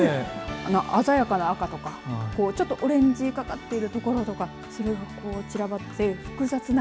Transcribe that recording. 鮮やかな赤とかちょっとオレンジがかっているところとか散らばっていて、複雑な。